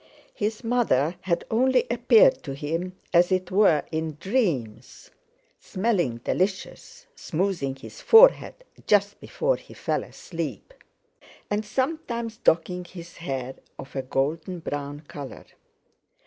His mother had only appeared to him, as it were in dreams, smelling delicious, smoothing his forehead just before he fell asleep, and sometimes docking his hair, of a golden brown colour.